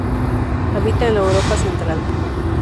Habita en la Europa Central.